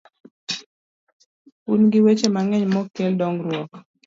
Un gi weche mang’eny ma ok kel dongruok